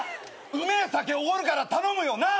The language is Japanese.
うめえ酒おごるから頼むよなっ？